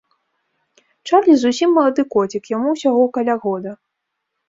Чарлі зусім малады коцік, яму ўсяго каля года.